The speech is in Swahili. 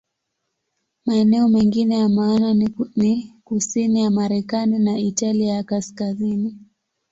Maeneo mengine ya maana ni kusini ya Marekani na Italia ya Kaskazini.